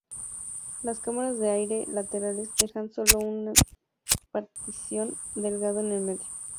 Las cámaras de aire laterales dejan solo una partición delgada en el medio.